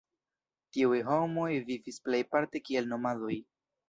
Tiuj homoj vivis plejparte kiel nomadoj.